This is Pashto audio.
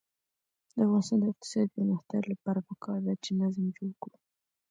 د افغانستان د اقتصادي پرمختګ لپاره پکار ده چې نظم جوړ کړو.